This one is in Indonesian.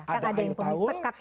ada yang tahu